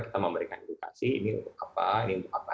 kita memberikan edukasi ini untuk apa ini untuk apa